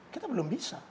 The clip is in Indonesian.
kita belum bisa